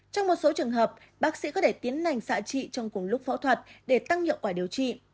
trong một số trường hợp bác sĩ có thể tiến nành xạ trị trong cùng lúc phẫu thuật để tăng hiệu quả điều trị